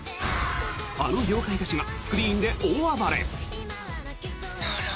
あの妖怪たちがスクリーンで大暴れ。